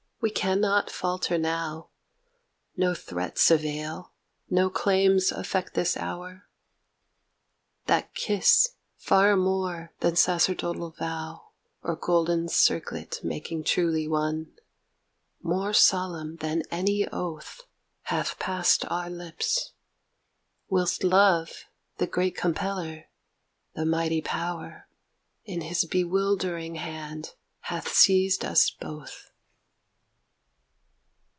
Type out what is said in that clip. we cannot falter now; No threats avail, no claims affect this hour; That kiss, far more than sacerdotal vow Or golden circlet, making truly one More solemn than any oath Hath passed our lips: Whilst Love, the great compeller, the mighty power In his bewildering hand, hath seized us both.